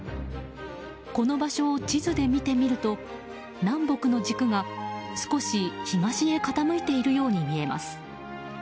この場所を地図で見てみると南北の軸が少し東へ傾いているように見えます。